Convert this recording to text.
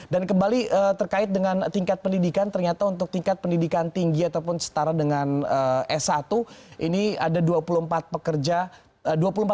dan kembali terkait dengan tingkat pendidikan ternyata untuk tingkat pendidikan tinggi ataupun setara dengan s satu ini ada dua puluh empat persen